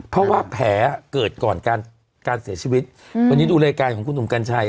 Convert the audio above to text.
เพราะว่าแผลเกิดก่อนการเสียชีวิตวันนี้ดูรายการของคุณหนุ่มกัญชัย